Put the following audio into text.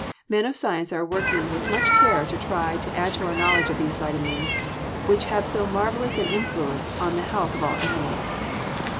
Men of science are working with much care to try to add to our knowledge of these vitamines, which have so marvelous an influence on the health of all animals.